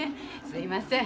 すいません。